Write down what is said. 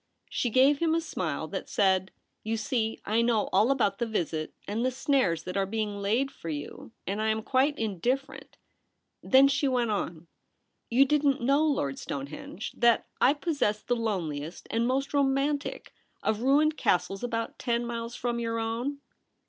She gave him a smile that said, ' You see I know all about the visit and the snares that are being laid for you, and I am quite indifferent.' Then she went on :' You didn't know, Lord Stonehenge, that I possess the loneliest and most romantic of ruined castles about ten miles from your own